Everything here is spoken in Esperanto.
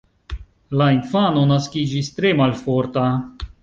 La infano naskiĝis tre malforta.